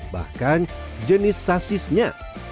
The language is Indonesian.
bahkan jenis sasisnya